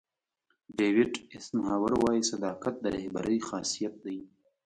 ډیوېټ ایسنهاور وایي صداقت د رهبرۍ خاصیت دی.